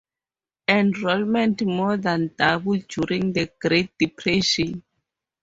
Enrollment more than doubled during the Great Depression.